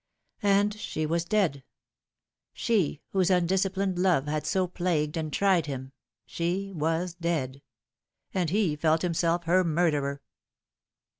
And she was dead ; she whose undisciplined love had so plagued and tried him, she was dead ; and he felt himself her murderer.